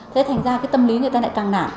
thế thành ra cái tâm lý người ta lại càng nản